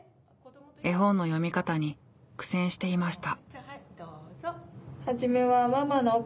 絵本の読み方に苦戦していました。